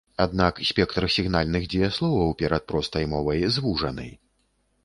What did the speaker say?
Аднак спектр сігнальных дзеясловаў перад простай мовай звужаны.